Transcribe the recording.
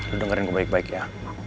lo dengerin gue baik baik ya